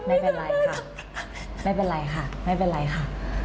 ไม่เป็นไรค่ะไม่เป็นไรค่ะไม่เป็นไรค่ะ